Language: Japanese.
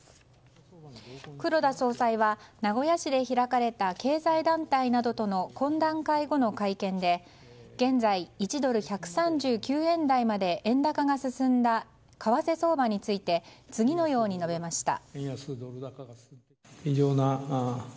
黒田総裁は名古屋市で開かれた経済団体などとの懇談会後の会見で現在、１ドル＝１３９円台まで円高が進んだ為替相場について次のように述べました。